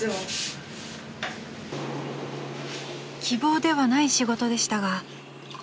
［希望ではない仕事でしたが］